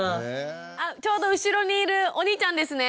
あっちょうど後ろにいるお兄ちゃんですね？